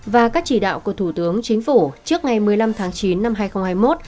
và các chỉ đạo của thủ tướng chính phủ trước ngày một mươi năm tháng chín năm hai nghìn hai mươi một